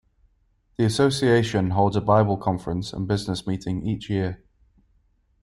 The association holds a Bible Conference and business meeting each year.